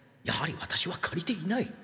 やはりワタシはかりていない。